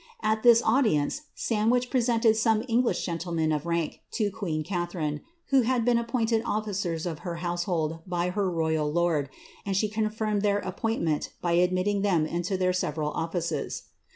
At dience Sandwich presented some English gentlemen of rank to >itharine, who had been appointed officere of her household by il lord, and she confirmed their appointment by admitting them ir several offices.